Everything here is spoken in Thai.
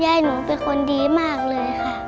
ยายหนูเป็นคนดีมากเลยค่ะ